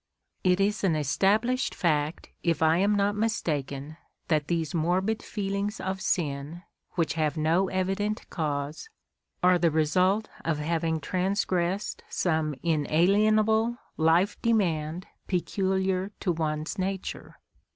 It is an established fact, /if I am not mistaken, that these morbid feelings of sin, which have no evident cause, are the result of having .transgressed some inalienable life demand peculiar to (one's nature.